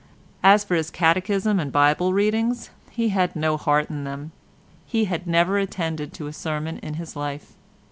As for his Catechism and Bible readings he had no heart in them. He had never attended to a sermon in his life.